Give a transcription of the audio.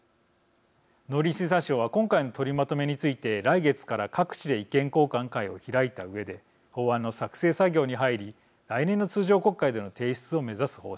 農林水産省は今回の取りまとめについて来月から各地で意見交換会を開いたうえで法案の作成作業に入り来年の通常国会での提出を目指す方針です。